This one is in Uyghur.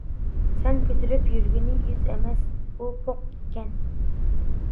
سەن كۆتۈرۈپ يۈرگىنى، يۈز ئەمەس ئۇ پوق ئىكەن.